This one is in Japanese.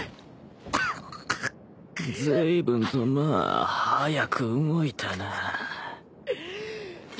ずいぶんとまあ速く動いたなぁ